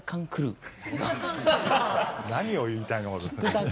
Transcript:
何を言いたいのかと。